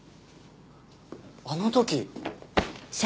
あの時！